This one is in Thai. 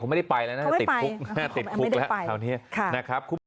เขาไม่ได้ไปแล้วนะเขาไม่ได้ไปติดพุกแล้วคราวนี้ค่ะนะครับ